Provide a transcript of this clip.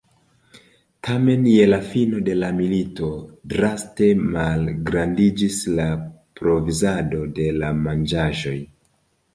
Tamen je la fino de la milito draste malgrandiĝis la provizado de la manĝaĵoj.